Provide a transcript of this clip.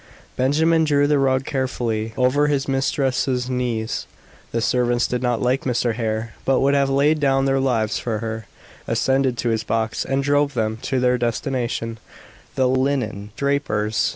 Benjamin drew the rug carefully over his mistress's knees the servants did not like Mr. Hare, but would have laid down their lives for her ascended to his box, and drove them to their destination, the linen draper's.